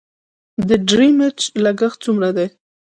د ډیمریج لګښت څومره دی؟